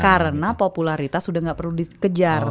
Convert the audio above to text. karena popularitas udah gak perlu dikejar